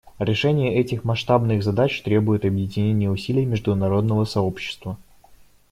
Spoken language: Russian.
Решение этих масштабных задач требует объединения усилий международного сообщества.